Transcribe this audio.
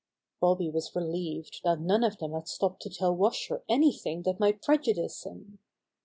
Bobby was relieved that none of them had stopped to tell Washer anything that might prejudice him.